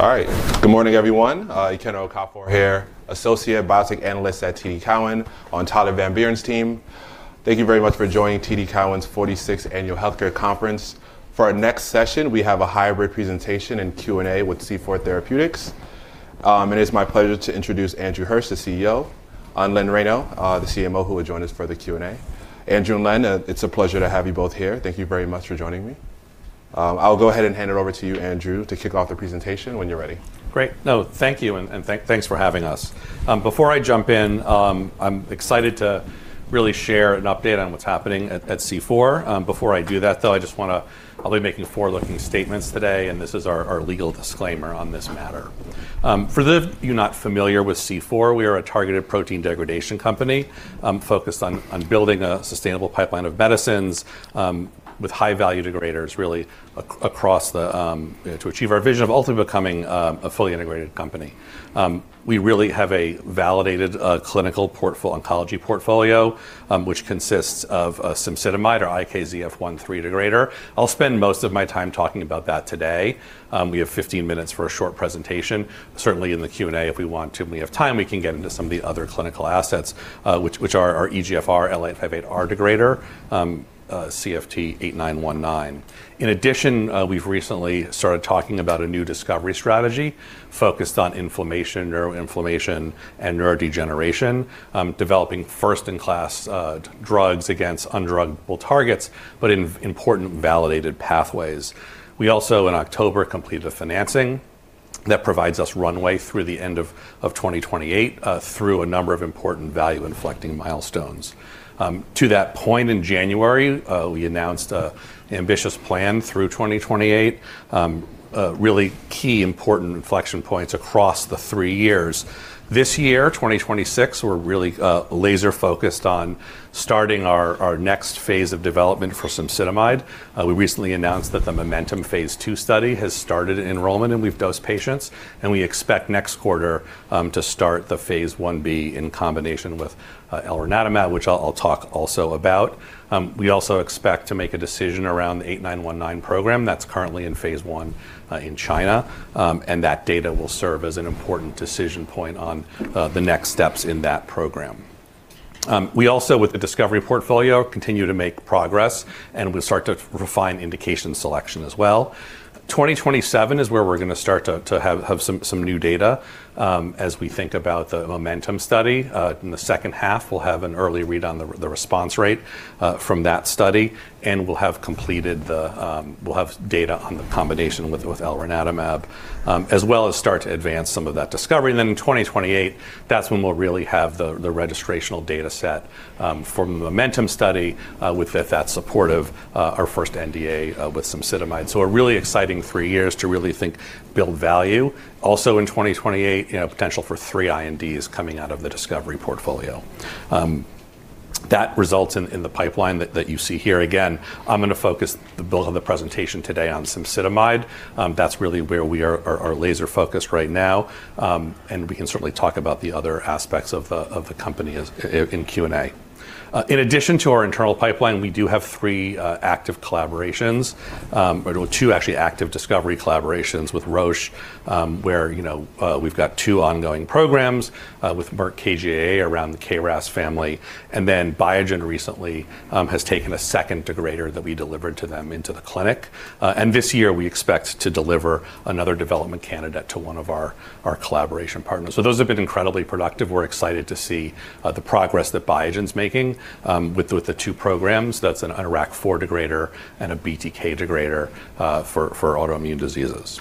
All right. Good morning, everyone. Ikenna Okafor here, Associate Biotech Analyst at TD Cowen on Tyler Van Buren's team. Thank you very much for joining TD Cowen's 46th Annual Healthcare Conference. For our next session, we have a hybrid presentation and Q&A with C4 Therapeutics. It's my pleasure to introduce Andrew Hirsch, the CEO, and Len Reyno, the CMO, who will join us for the Q&A. Andrew and Len, it's a pleasure to have you both here. Thank you very much for joining me. I'll go ahead and hand it over to you, Andrew, to kick off the presentation when you're ready. Great. No, thank you. Thanks for having us. Before I jump in, I'm excited to really share an update on what's happening at C4. Before I do that, though, I'll be making forward-looking statements today, and this is our legal disclaimer on this matter. For those of you not familiar with C4, we are a targeted protein degradation company, focused on building a sustainable pipeline of medicines, with high-value degraders really across the, to achieve our vision of ultimately becoming a fully integrated company. We really have a validated clinical oncology portfolio, which consists of cemsidomide or IKZF1/3 degrader. I'll spend most of my time talking about that today. We have 15 minutes for a short presentation. Certainly in the Q&A, if we want to and we have time, we can get into some of the other clinical assets, which are our EGFR L858R degrader, CFT8919. In addition, we've recently started talking about a new discovery strategy focused on inflammation, neuroinflammation, and neurodegeneration, developing first-in-class drugs against undruggable targets, but in important validated pathways. We also, in October, completed a financing that provides us runway through the end of 2028, through a number of important value inflecting milestones. To that point in January, we announced an ambitious plan through 2028, really key important inflection points across the three years. This year, 2026, we're really laser-focused on starting our next phase of development for cemsidomide. We recently announced that the MOMENTUM phase II study has started enrollment, and we've dosed patients, and we expect next quarter to start the phase Ib in combination with elranatamab, which I'll talk also about. We also expect to make a decision around the 8919 program that's currently in phase I in China, and that data will serve as an important decision point on the next steps in that program. We also, with the discovery portfolio, continue to make progress, and we'll start to refine indication selection as well. 2027 is where we're gonna start to have some new data. As we think about the MOMENTUM study, in the second half, we'll have an early read on the response rate from that study, and we'll have data on the combination with elranatamab, as well as start to advance some of that discovery. In 2028, that's when we'll really have the registrational dataset from the MOMENTUM study, with that supportive, our first NDA, with cemsidomide. A really exciting three years to really think build value. Also in 2028, you know, potential for three INDs coming out of the discovery portfolio. That results in the pipeline that you see here. Again, I'm gonna focus the bulk of the presentation today on cemsidomide. That's really where we are laser-focused right now, and we can certainly talk about the other aspects of the company in Q&A. In addition to our internal pipeline, we do have three active collaborations, or two actually active discovery collaborations with Roche, where, you know, we've got two ongoing programs with Merck KGaA around the KRAS family. Biogen recently has taken a second degrader that we delivered to them into the clinic. This year, we expect to deliver another development candidate to one of our collaboration partners. Those have been incredibly productive. We're excited to see the progress that Biogen's making with the two programs. That's an RAC4 degrader and a BTK degrader for autoimmune diseases.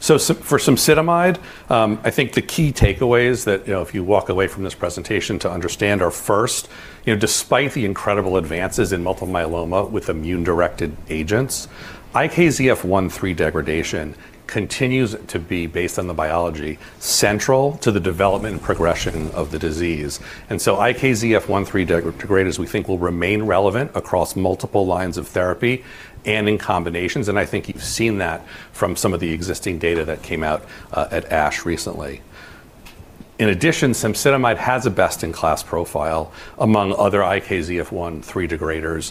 For cemsidomide, I think the key takeaways that, you know, if you walk away from this presentation to understand are, first, you know, despite the incredible advances in multiple myeloma with immune-directed agents, IKZF1/3 degradation continues to be based on the biology central to the development and progression of the disease. IKZF1/3 degraders, we think, will remain relevant across multiple lines of therapy and in combinations. I think you've seen that from some of the existing data that came out at ASH recently. In addition, cemsidomide has a best-in-class profile among other IKZF1/3 degraders,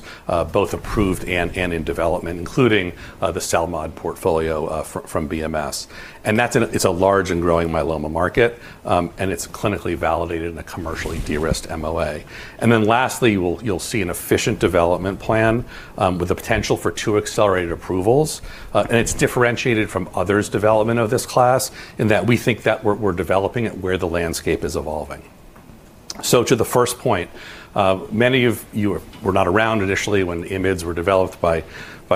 both approved and in development, including the CELMoD portfolio from BMS. That's a large and growing myeloma market, and it's clinically validated in a commercially de-risked MOA. Lastly, you'll see an efficient development plan, with the potential for two accelerated approvals, and it's differentiated from others' development of this class in that we think that we're developing it where the landscape is evolving. To the first point, many of you were not around initially when IMiDs were developed by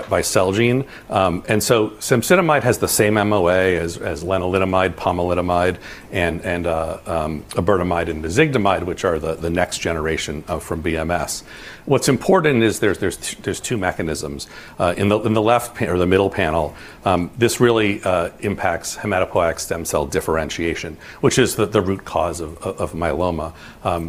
Celgene. Cemsidomide has the same MOA as lenalidomide, pomalidomide, and iberdomide and mezigdomide, which are the next generation, from BMS. What's important is there's two mechanisms. In the left or the middle panel, this really impacts hematopoietic stem cell differentiation, which is the root cause of myeloma,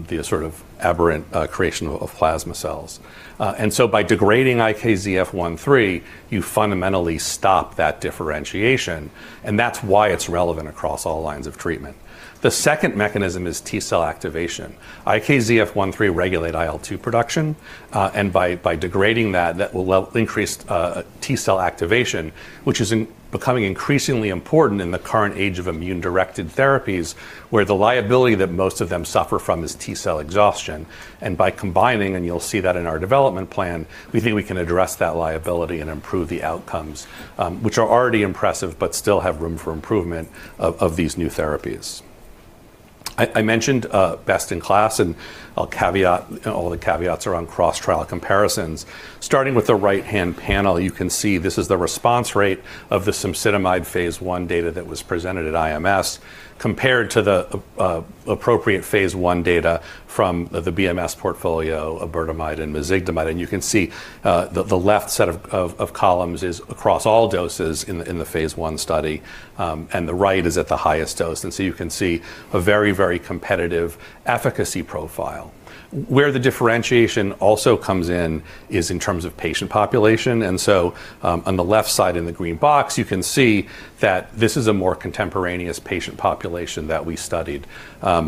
the sort of aberrant creation of plasma cells. By degrading IKZF1/3, you fundamentally stop that differentiation, and that's why it's relevant across all lines of treatment. The second mechanism is T-cell activation. IKZF1/3 regulate IL-2 production, and by degrading that will increase T-cell activation, which is becoming increasingly important in the current age of immune-directed therapies, where the liability that most of them suffer from is T-cell exhaustion. By combining, and you'll see that in our development plan, we think we can address that liability and improve the outcomes, which are already impressive but still have room for improvement of these new therapies. I mentioned best in class and I'll caveat. All the caveats are on cross-trial comparisons. Starting with the right-hand panel, you can see this is the response rate of the cemsidomide phase I data that was presented at IMS compared to the appropriate phase I data from the BMS portfolio, iberdomide, and mezigdomide. You can see the left set of columns is across all doses in the phase I study, and the right is at the highest dose. You can see a very, very competitive efficacy profile. Where the differentiation also comes in is in terms of patient population. On the left side in the green box, you can see that this is a more contemporaneous patient population that we studied. The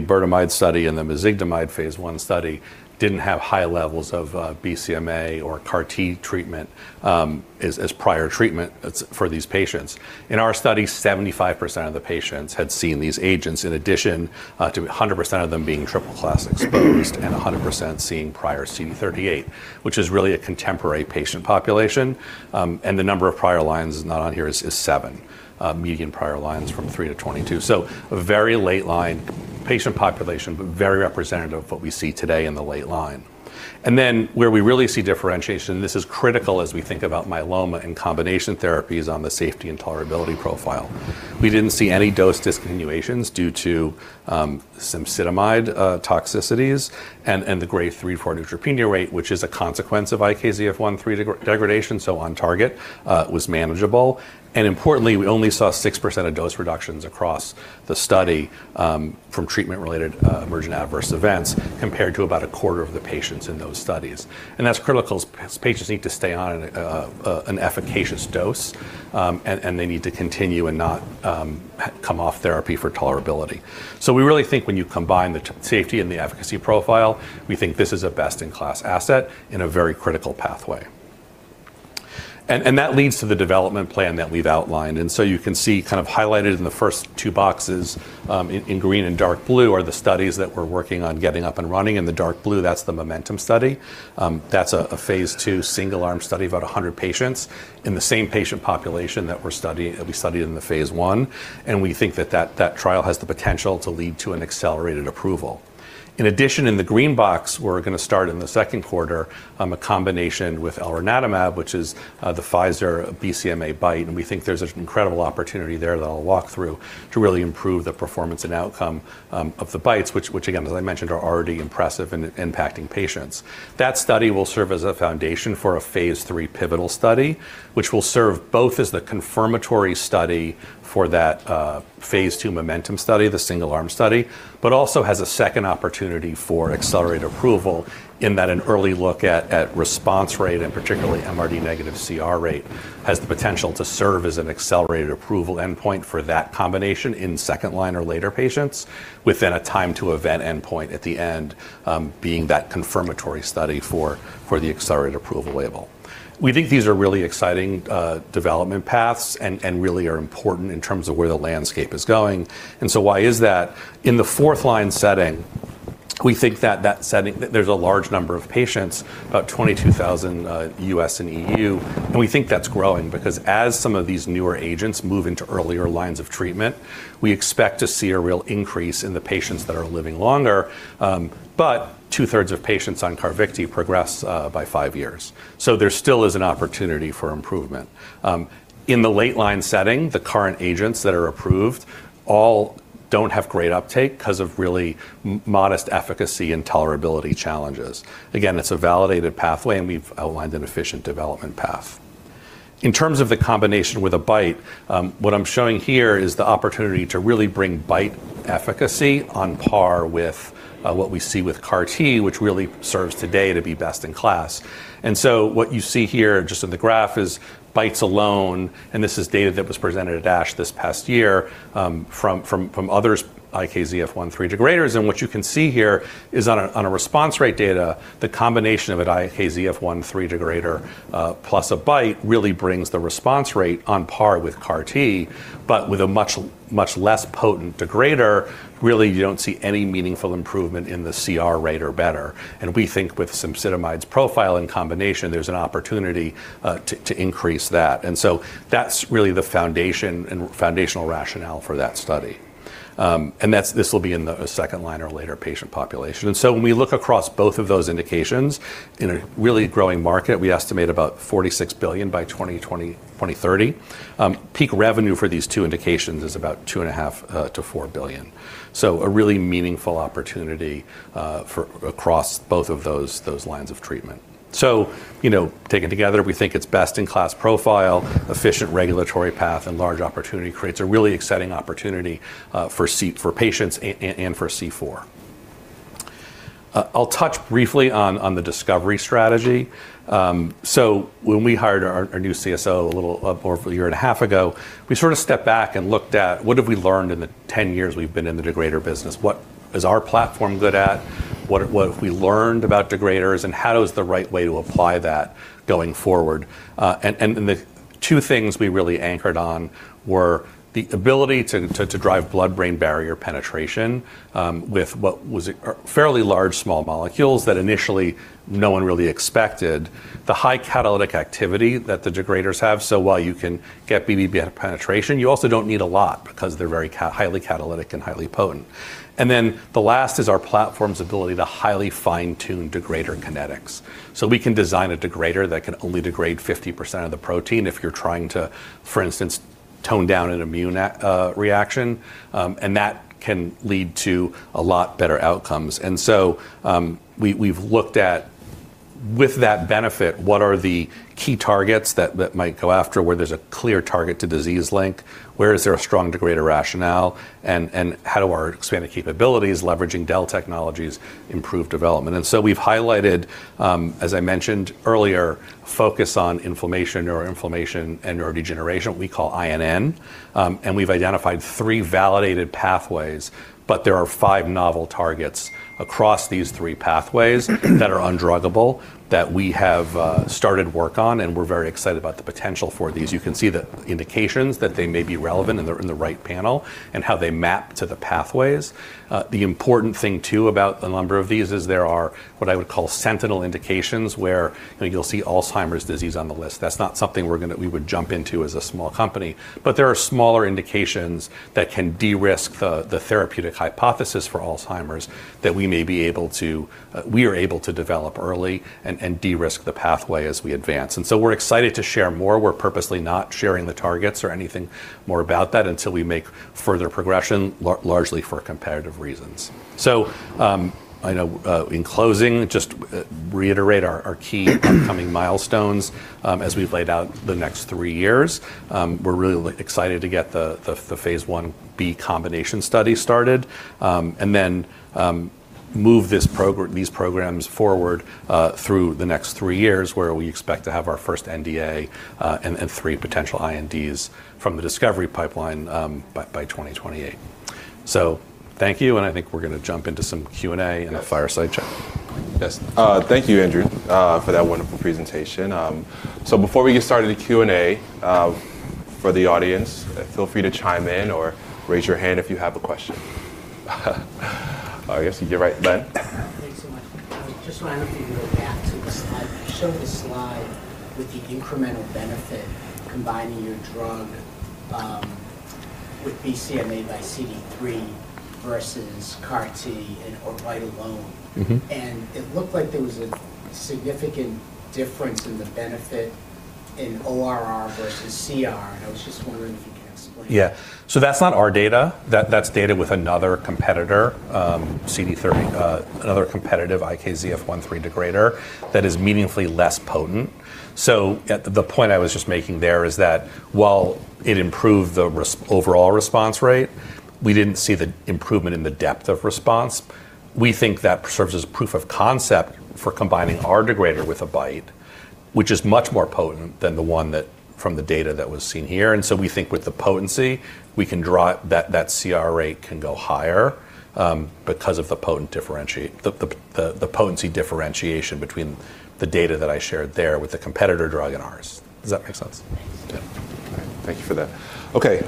iberdomide study and the mezigdomide phase I study didn't have high levels of BCMA or CAR T treatment as prior treatment for these patients. In our study, 75% of the patients had seen these agents in addition to 100% of them being triple-class exposed and 100% seeing prior CD38, which is really a contemporary patient population. The number of prior lines is not on here is seven median prior lines from three to 22. A very late line patient population, but very representative of what we see today in the late line. Where we really see differentiation, this is critical as we think about myeloma and combination therapies on the safety and tolerability profile. We didn't see any dose discontinuations due to cemsidomide toxicities and the grade 3/4 neutropenia rate, which is a consequence of IKZF1/3 degradation, so on target, was manageable. Importantly, we only saw 6% of dose reductions across the study from treatment-related emergent adverse events compared to about a quarter of the patients in those studies. That's critical as patients need to stay on an efficacious dose, and they need to continue and not come off therapy for tolerability. We really think when you combine the safety and the efficacy profile, we think this is a best-in-class asset in a very critical pathway. That leads to the development plan that we've outlined. You can see kind of highlighted in the first two boxes, in green and dark blue are the studies that we're working on getting up and running. In the dark blue, that's the MOMENTUM study. That's a phase II single-arm study of about 100 patients in the same patient population that we studied in the phase I, and we think that trial has the potential to lead to an Accelerated Approval. In addition, in the green box, we're gonna start in the second quarter, a combination with elranatamab, which is the Pfizer BCMA BiTE, and we think there's an incredible opportunity there that I'll walk through to really improve the performance and outcome of the BiTEs which again, as I mentioned, are already impressive in impacting patients. That study will serve as a foundation for a phase III pivotal study, which will serve both as the confirmatory study for that phase II MOMENTUM study, the single-arm study, but also has a second opportunity for Accelerated Approval in that an early look at response rate and particularly MRD-negative CR rate has the potential to serve as an Accelerated Approval endpoint for that combination in second-line or later patients within a time-to-event endpoint at the end, being that confirmatory study for the Accelerated Approval label. We think these are really exciting development paths and really are important in terms of where the landscape is going. Why is that? In the fourth line setting, we think that setting there's a large number of patients, about 22,000, U.S. and EU, and we think that's growing because as some of these newer agents move into earlier lines of treatment, we expect to see a real increase in the patients that are living longer. Two-thirds of patients on CARVYKTI progress by five years. There still is an opportunity for improvement. In the late line setting, the current agents that are approved all don't have great uptake 'cause of really modest efficacy and tolerability challenges. It's a validated pathway, and we've outlined an efficient development path. In terms of the combination with a BiTE, what I'm showing here is the opportunity to really bring BiTE efficacy on par with what we see with CAR T, which really serves today to be best in class. What you see here just in the graph is BiTEs alone, and this is data that was presented at ASH this past year, from others IKZF1/3 degraders. What you can see here is on a response rate data, the combination of an IKZF1/3 degrader, plus a BiTE really brings the response rate on par with CAR T, but with a much, much less potent degrader, really you don't see any meaningful improvement in the CR rate or better. We think with cemsidomide's profile in combination, there's an opportunity to increase that. That's really the foundation and foundational rationale for that study. This will be in the second-line or later patient population. When we look across both of those indications in a really growing market, we estimate about $46 billion by 2030. peak revenue for these two indications is about $2.5 billion-$4 billion. A really meaningful opportunity across both of those lines of treatment. You know, taken together, we think its best-in-class profile, efficient regulatory path, and large opportunity creates a really exciting opportunity for patients and for C4. I'll touch briefly on the discovery strategy. When we hired our new CSO a little over a year and a half ago, we sort of stepped back and looked at what have we learned in the 10 years we've been in the degrader business? What is our platform good at? What have we learned about degraders, and how is the right way to apply that going forward? The Two things we really anchored on were the ability to drive blood-brain barrier penetration, with what was a fairly large small molecules that initially no one really expected. The high catalytic activity that the degraders have, so while you can get BBB penetration, you also don't need a lot because they're very highly catalytic and highly potent. The last is our platform's ability to highly fine-tune degrader kinetics. We can design a degrader that can only degrade 50% of the protein if you're trying to, for instance, tone down an immune reaction, and that can lead to a lot better outcomes. We've looked at with that benefit, what are the key targets that might go after where there's a clear target to disease link? Where is there a strong degrader rationale? How do our expanded capabilities leveraging DEL technologies improve development? We've highlighted, as I mentioned earlier, focus on inflammation, neuroinflammation and neurodegeneration, we call INN, and we've identified three validated pathways, but there are five novel targets across these three pathways that are undruggable that we have started work on, and we're very excited about the potential for these. You can see the indications that they may be relevant in the right panel and how they map to the pathways. The important thing too about the number of these is there are what I would call sentinel indications, where, you know, you'll see Alzheimer's disease on the list. That's not something we would jump into as a small company. There are smaller indications that can de-risk the therapeutic hypothesis for Alzheimer's that we may be able to, we are able to develop early and de-risk the pathway as we advance. We're excited to share more. We're purposely not sharing the targets or anything more about that until we make further progression, largely for competitive reasons. I know, in closing, just reiterate our key upcoming milestones, as we've laid out the next three years. We're really excited to get the phase Ib combination study started, and then move these programs forward through the next three years, where we expect to have our first NDA, and then three potential INDs from the discovery pipeline by 2028. Thank you, and I think we're gonna jump into some Q&A in the fireside chat. Yes. Thank you, Andrew, for that wonderful presentation. Before we get started, the Q&A, for the audience, feel free to chime in or raise your hand if you have a question. I guess you're right, [Ben]? Thanks so much. Just wanted to go back to the slide. You showed the slide with the incremental benefit combining your drug, with BCMA x CD3 versus CAR T or BiTE alone. Mm-hmm. It looked like there was a significant difference in the benefit in ORR versus CR, and I was just wondering if you can explain that? That's not our data. That's data with another competitor, another competitive IKZF1/3 degrader that is meaningfully less potent. The point I was just making there is that while it improved the overall response rate, we didn't see the improvement in the depth of response. We think that serves as proof of concept for combining our degrader with a BiTE, which is much more potent than the one from the data that was seen here. We think with the potency, that CR rate can go higher because of the potency differentiation between the data that I shared there with the competitor drug and ours. Does that make sense? Thanks. Yeah. All right. Thank you for that. Okay,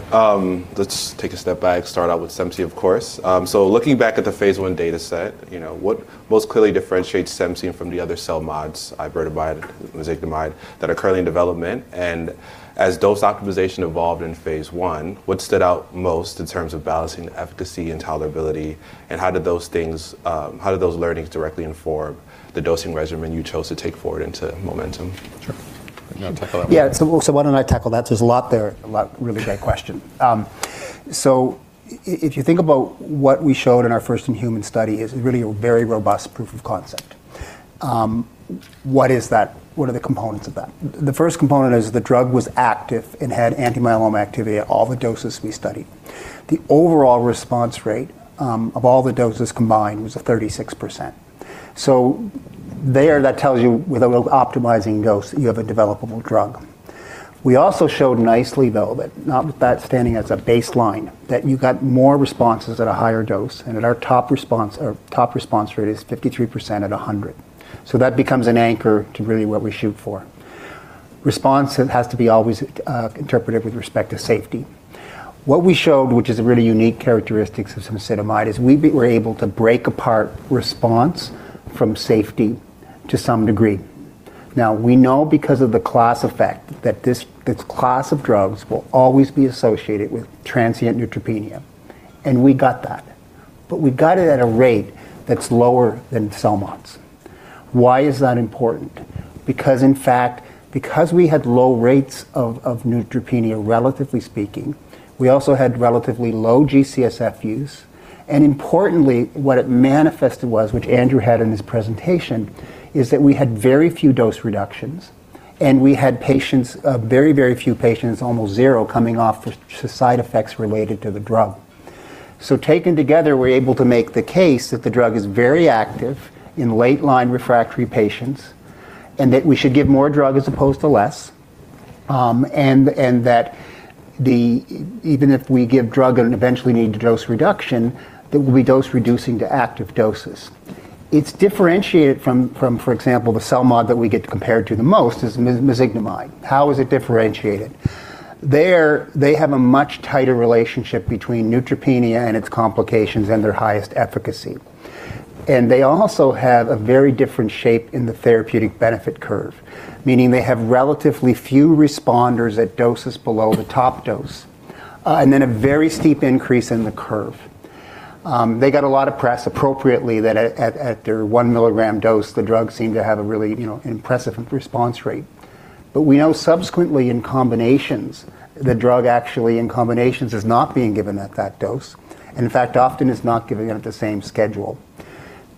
let's take a step back, start out with cemsidomide, of course. Looking back at the phase I data set, you know, what most clearly differentiates cemsidomide from the other CELMoDs, iberdomide, mezigdomide, that are currently in development? As dose optimization evolved in phase I, what stood out most in terms of balancing efficacy and tolerability, and how did those things, how did those learnings directly inform the dosing regimen you chose to take forward into MOMENTUM? Sure. You want to tackle that one? Yeah. Why don't I tackle that? There's a lot there. Really great question. If you think about what we showed in our first in-human study, it's really a very robust proof of concept. What is that? What are the components of that? The first component is the drug was active and had anti-myeloma activity at all the doses we studied. The overall response rate of all the doses combined was 36%. There, that tells you with optimizing dose, you have a developable drug. We also showed nicely, though, that not with that standing as a baseline, that you got more responses at a higher dose, and at our top response, our top response rate is 53% at 100. That becomes an anchor to really what we shoot for. Response has to be always interpreted with respect to safety. What we showed, which is a really unique characteristics of cemsidomide, is we're able to break apart response from safety to some degree. Now, we know because of the class effect that this class of drugs will always be associated with transient neutropenia, and we got that. We got it at a rate that's lower than CELMoDs. Why is that important? In fact, because we had low rates of neutropenia, relatively speaking, we also had relatively low G-CSF use. Importantly, what it manifested was, which Andrew had in his presentation, is that we had very few dose reductions, and we had very few patients, almost zero, coming off with side effects related to the drug. Taken together, we're able to make the case that the drug is very active in late-line refractory patients, and that we should give more drug as opposed to less, and that the even if we give drug and eventually need a dose reduction, that we'll be dose reducing to active doses. It's differentiated from, for example, the CELMoD that we get compared to the most is mezigdomide. How is it differentiated? There they have a much tighter relationship between neutropenia and its complications and their highest efficacy. They also have a very different shape in the therapeutic benefit curve, meaning they have relatively few responders at doses below the top dose, and then a very steep increase in the curve. They got a lot of press appropriately that at their 1 mg dose, the drug seemed to have a really, you know, impressive response rate. We know subsequently in combinations, the drug actually in combinations is not being given at that dose, and in fact, often is not given at the same schedule.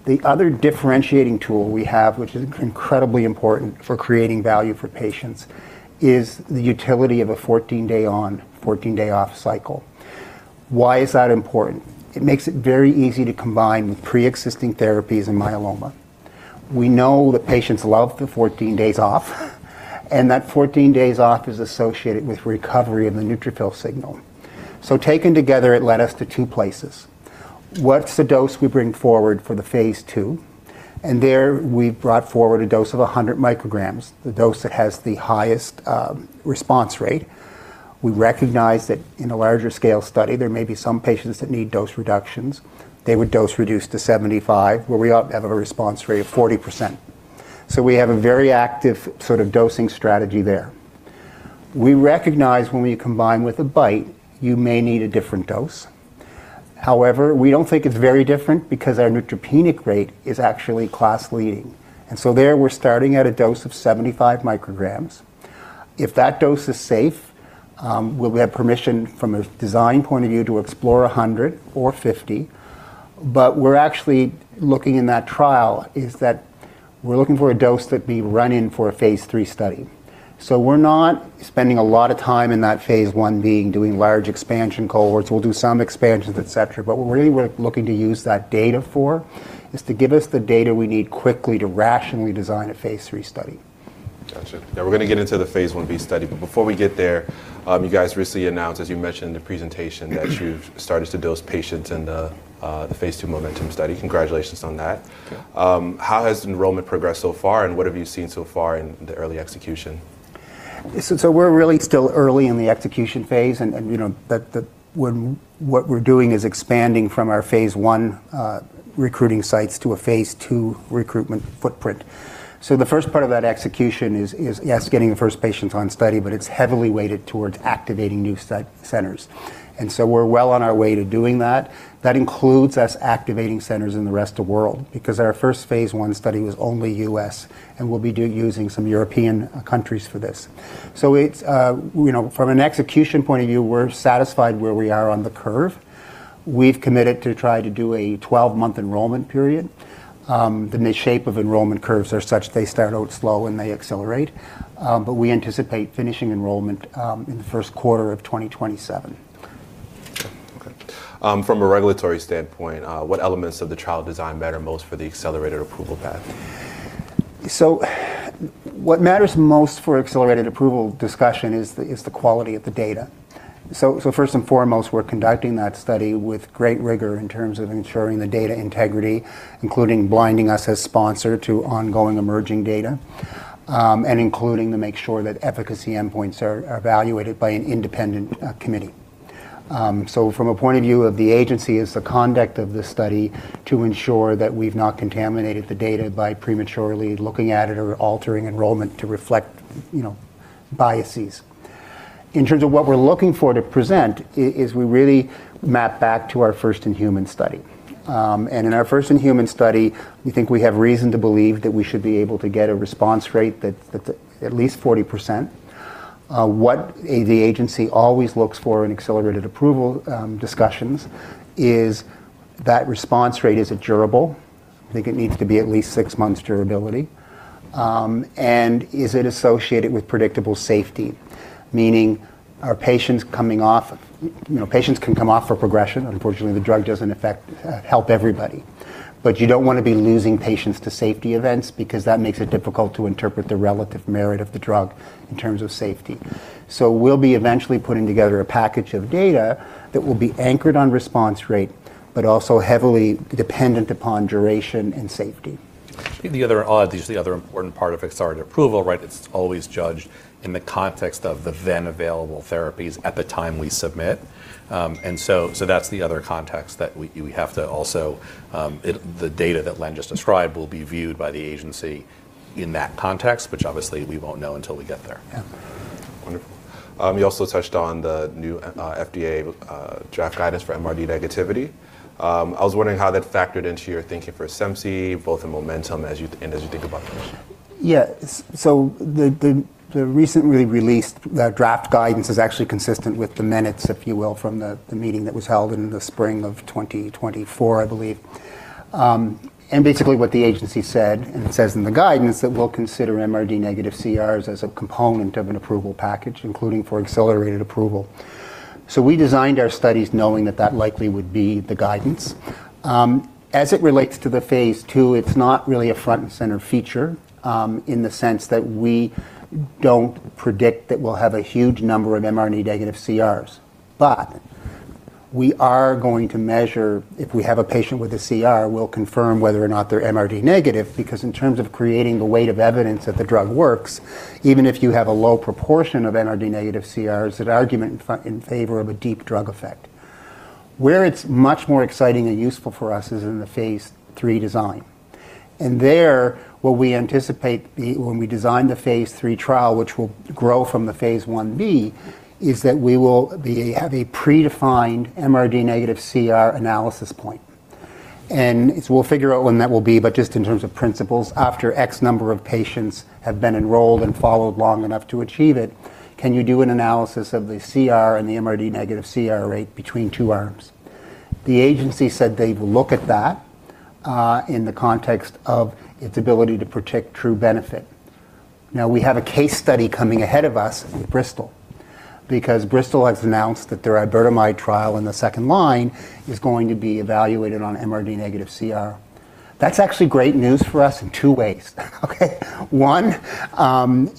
The other differentiating tool we have, which is incredibly important for creating value for patients, is the utility of a 14-day on, 14-day off cycle. Why is that important? It makes it very easy to combine with preexisting therapies in myeloma. We know that patients love the 14 days off, and that 14 days off is associated with recovery of the neutrophil signal. Taken together, it led us to two places. What's the dose we bring forward for the phase II? There we've brought forward a dose of 100 micrograms, the dose that has the highest response rate. We recognize that in a larger scale study, there may be some patients that need dose reductions. They would dose reduce to 75, where we have a response rate of 40%. We have a very active sort of dosing strategy there. We recognize when we combine with a BiTE, you may need a different dose. However, we don't think it's very different because our neutropenic rate is actually class-leading. There we're starting at a dose of 75 micrograms. If that dose is safe, we'll have permission from a design point of view to explore 100 or 50. We're actually looking in that trial is that we're looking for a dose that we run in for a phase III study. We're not spending a lot of time in that phase Ib doing large expansion cohorts. We'll do some expansions, et cetera, but what really we're looking to use that data for is to give us the data we need quickly to rationally design a phase III study. Got you. We're going to get into the phase Ib study, but before we get there, you guys recently announced, as you mentioned in the presentation, that you've started to dose patients in the phase II MOMENTUM study. Congratulations on that. Thank you. How has enrollment progressed so far, and what have you seen so far in the early execution? We're really still early in the execution phase, you know, what we're doing is expanding from our phase I recruiting sites to a phase II recruitment footprint. The first part of that execution is, yes, getting the first patients on study, but it's heavily weighted towards activating new centers. We're well on our way to doing that. That includes us activating centers in the rest of world because our first phase I study was only U.S., and we'll be using some European countries for this. It's, you know, from an execution point of view, we're satisfied where we are on the curve. We've committed to try to do a 12-month enrollment period. The shape of enrollment curves are such, they start out slow, and they accelerate. We anticipate finishing enrollment in the first quarter of 2027. From a regulatory standpoint, what elements of the trial design matter most for the Accelerated Approval path? What matters most for Accelerated Approval discussion is the quality of the data. First and foremost, we're conducting that study with great rigor in terms of ensuring the data integrity, including blinding us as sponsor to ongoing emerging data, and including to make sure that efficacy endpoints are evaluated by an independent committee. From a point of view of the agency is the conduct of the study to ensure that we've not contaminated the data by prematurely looking at it or altering enrollment to reflect, you know, biases. In terms of what we're looking for to present is we really map back to our first-in-human study. In our first-in-human study, we think we have reason to believe that we should be able to get a response rate that at least 40%. What the agency always looks for in Accelerated Approval discussions is that response rate is a durable. I think it needs to be at least six months durability. Is it associated with predictable safety? Meaning, are patients coming off? You know, patients can come off for progression. Unfortunately, the drug doesn't help everybody. You don't want to be losing patients to safety events because that makes it difficult to interpret the relative merit of the drug in terms of safety. We'll be eventually putting together a package of data that will be anchored on response rate but also heavily dependent upon duration and safety. The other obviously important part of Accelerated Approval, right, it's always judged in the context of the then available therapies at the time we submit. That's the other context that we have to also, the data that Len just described will be viewed by the agency in that context, which obviously we won't know until we get there. Yeah. Wonderful. You also touched on the new FDA draft guidance for MRD negativity. I was wondering how that factored into your thinking for cemsidomide, both in MOMENTUM and as you think about the. Yeah. The recently released, the draft guidance is actually consistent with the minutes, if you will, from the meeting that was held in the spring of 2024, I believe. Basically what the agency said, and it says in the guidance, that we'll consider MRD-negative CRs as a component of an approval package, including for Accelerated Approval. We designed our studies knowing that that likely would be the guidance. As it relates to the phase II, it's not really a front and center feature, in the sense that we don't predict that we'll have a huge number of MRD-negative CRs. We are going to measure if we have a patient with a CR, we'll confirm whether or not they're MRD negative, because in terms of creating the weight of evidence that the drug works, even if you have a low proportion of MRD negative CRs, that argument in favor of a deep drug effect. Where it's much more exciting and useful for us is in the phase III design. There, what we anticipate when we design the phase III trial, which will grow from the phase Ib, is that we will have a predefined MRD negative CR analysis point. We'll figure out when that will be, but just in terms of principles, after X number of patients have been enrolled and followed long enough to achieve it, can you do an analysis of the CR and the MRD-negative CR rate between two arms? The agency said they'd look at that in the context of its ability to predict true benefit. We have a case study coming ahead of us with Bristol, because Bristol has announced that their iberdomide trial in the second line is going to be evaluated on MRD-negative CR. That's actually great news for us in two ways. Okay. One,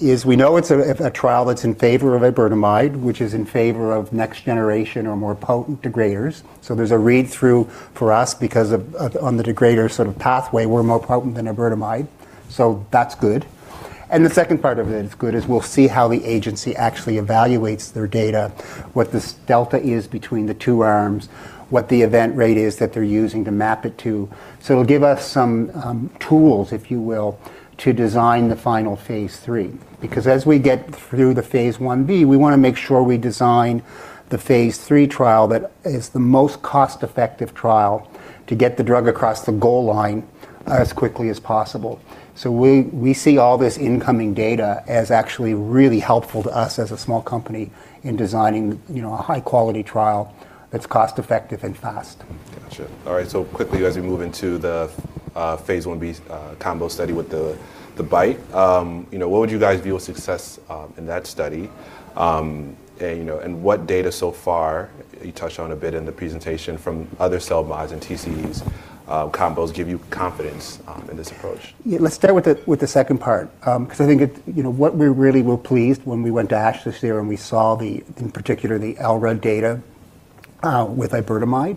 is we know it's a trial that's in favor of iberdomide, which is in favor of next generation or more potent degraders. There's a read-through for us because of on the degrader sort of pathway, we're more potent than iberdomide. That's good. The second part of it that's good is we'll see how the agency actually evaluates their data, what this delta is between the two arms, what the event rate is that they're using to map it to. It'll give us some tools, if you will, to design the final phase III. As we get through the phase Ib, we wanna make sure we design the phase III trial that is the most cost-effective trial to get the drug across the goal line as quickly as possible. We see all this incoming data as actually really helpful to us as a small company in designing, you know, a high-quality trial that's cost-effective and fast. Gotcha. All right. Quickly, as we move into the Phase 1b combo study with the BiTE, you know, what would you guys view as success in that study? You know, what data so far, you touched on a bit in the presentation from other CELMoDs and TCEs, combos give you confidence in this approach? Yeah, let's start with the, with the second part. You know, what we really were pleased when we went to ASH this year and we saw the, in particular, the elra data, with iberdomide,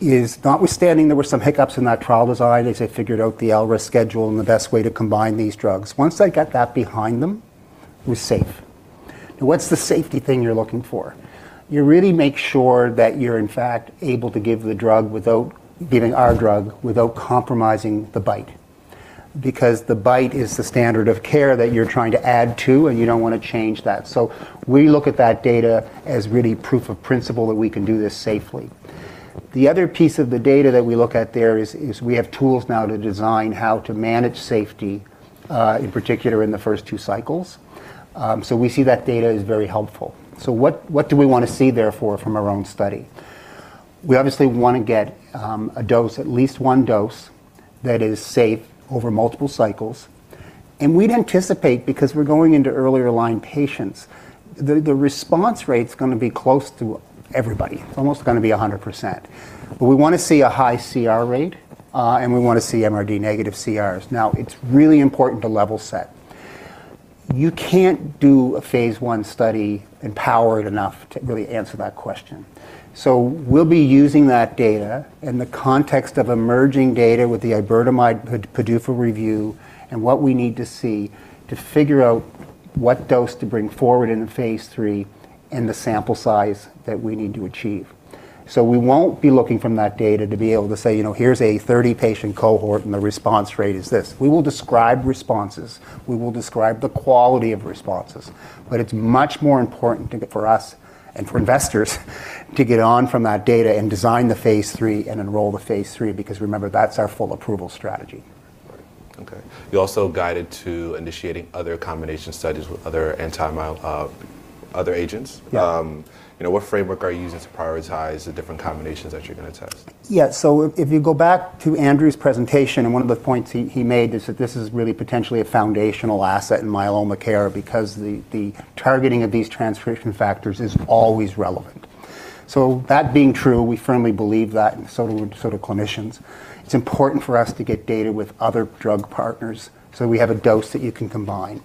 is notwithstanding there were some hiccups in that trial design as they figured out the elra schedule and the best way to combine these drugs. Once they got that behind them, it was safe. What's the safety thing you're looking for? You really make sure that you're, in fact, able to give the drug without giving our drug without compromising the BiTE. The BiTE is the standard of care that you're trying to add to, and you don't wanna change that. We look at that data as really proof of principle that we can do this safely. The other piece of the data that we look at there is we have tools now to design how to manage safety, in particular in the first two cycles. We see that data as very helpful. What do we wanna see therefore from our own study? We obviously wanna get a dose, at least one dose, that is safe over multiple cycles. We'd anticipate, because we're going into earlier line patients, the response rate's gonna be close to everybody. It's almost gonna be 100%. We wanna see a high CR rate, and we wanna see MRD-negative CRs. Now, it's really important to level set. You can't do a phase 1 study empowered enough to really answer that question. We'll be using that data in the context of emerging data with the iberdomide PDUFA review and what we need to see to figure out what dose to bring forward in phase III and the sample size that we need to achieve. We won't be looking from that data to be able to say, you know, "Here's a 30-patient cohort and the response rate is this." We will describe responses. We will describe the quality of responses. It's much more important for us and for investors to get on from that data and design the phase III and enroll the phase III because remember, that's our full approval strategy. Right. Okay. You also guided to initiating other combination studies with other agents. Yeah. You know, what framework are you using to prioritize the different combinations that you're gonna test? Yeah. If you go back to Andrew's presentation, and one of the points he made is that this is really potentially a foundational asset in myeloma care because the targeting of these transcription factors is always relevant. That being true, we firmly believe that, and so do sort of clinicians, it's important for us to get data with other drug partners so we have a dose that you can combine.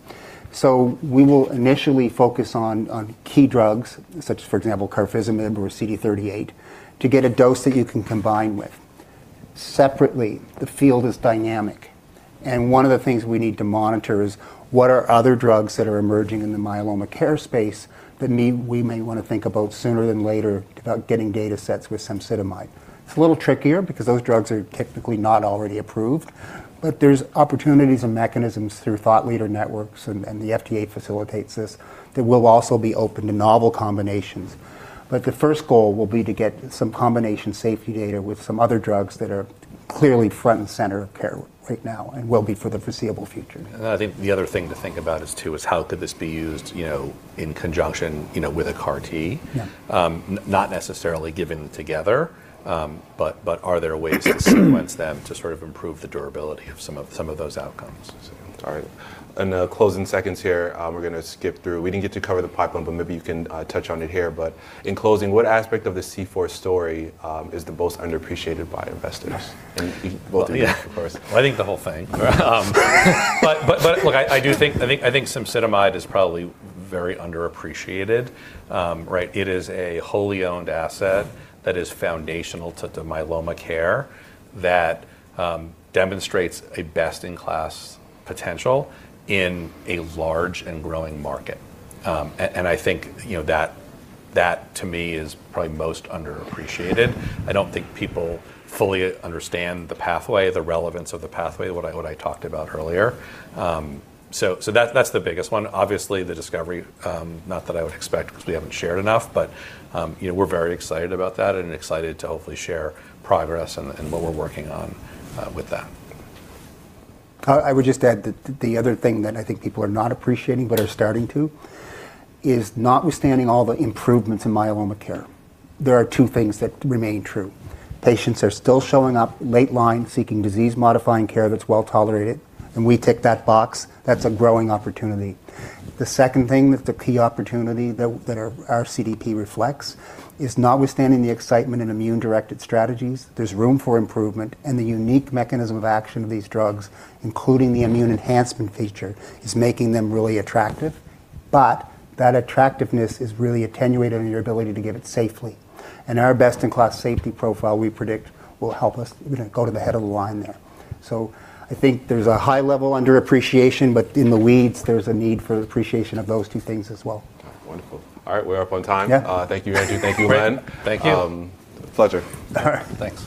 We will initially focus on key drugs, such, for example, carfilzomib or CD38, to get a dose that you can combine with. Separately, the field is dynamic, and one of the things we need to monitor is what are other drugs that are emerging in the myeloma care space we may wanna think about sooner than later about getting data sets with cemsidomide. It's a little trickier because those drugs are technically not already approved. There's opportunities and mechanisms through thought leader networks and the FDA facilitates this, that we'll also be open to novel combinations. The first goal will be to get some combination safety data with some other drugs that are clearly front and center of care right now and will be for the foreseeable future. I think the other thing to think about is too is how could this be used, you know, in conjunction, you know, with a CAR T. Yeah. Not necessarily given together, are there ways to sequence them to sort of improve the durability of those outcomes. All right. In the closing seconds here, we didn't get to cover the pipeline, but maybe you can touch on it here. In closing, what aspect of the C4 story is the most underappreciated by investors? Both of you, of course. Well, I think the whole thing. Look, I do think cemsidomide is probably very underappreciated. Right? It is a wholly owned asset that is foundational to the myeloma care that demonstrates a best-in-class potential in a large and growing market. I think, you know, that to me is probably most underappreciated. I don't think people fully understand the pathway, the relevance of the pathway, what I talked about earlier. That's the biggest one. Obviously, the discovery, not that I would expect because we haven't shared enough, but, you know, we're very excited about that and excited to hopefully share progress and what we're working on with that. I would just add that the other thing that I think people are not appreciating but are starting to is notwithstanding all the improvements in myeloma care, there are two things that remain true. Patients are still showing up late line seeking disease modifying care that's well-tolerated, and we tick that box. That's a growing opportunity. The second thing that the key opportunity that our CDP reflects is notwithstanding the excitement in immune-directed strategies, there's room for improvement and the unique mechanism of action of these drugs, including the immune enhancement feature, is making them really attractive, but that attractiveness is really attenuated in your ability to give it safely. Our best-in-class safety profile, we predict, will help us, you know, go to the head of the line there. I think there's a high level underappreciation, but in the weeds there's a need for appreciation of those two things as well. Wonderful. All right, we are up on time. Yeah. Thank you, Andrew. Thank you, Len. Thank you. Pleasure. All right. Thanks.